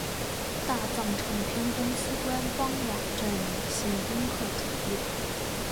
大藏唱片公司官方网站米线音客主页